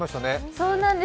そうなんです